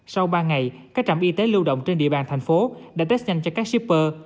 sau ba ngày các trạm y tế lưu động trên địa bàn thành phố đã test nhanh cho các shipper